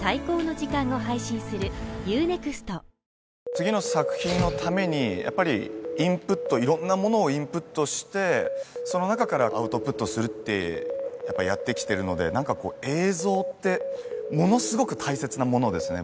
次の作品のためにやっぱりインプットいろんなものをインプットしてその中からアウトプットするってやっぱやってきてるのでなんかこう映像ってものすごく大切なものですね